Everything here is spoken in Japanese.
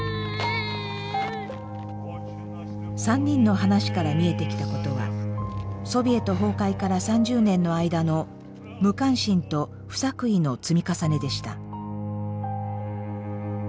３人の話から見えてきたことはソビエト崩壊から３０年の間の無関心と不作為の積み重ねでした。